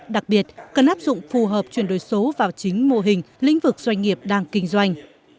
đặc biệt cần áp dụng phù hợp chuyển đổi số vào chính mô hình lĩnh vực doanh nghiệp đang kinh doanh